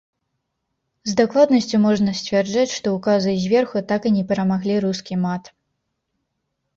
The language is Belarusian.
З дакладнасцю можна сцвярджаць, што ўказы зверху так і не перамаглі рускі мат.